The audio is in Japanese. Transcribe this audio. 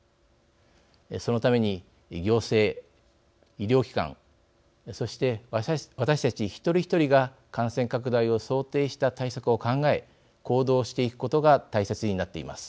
そのために、行政、医療機関そして私たち一人一人が感染拡大を想定した対策を考え行動していくことが大切になっています。